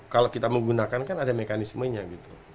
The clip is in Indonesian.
kalau kita menggunakan kan ada mekanismenya gitu